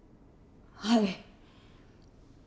はい。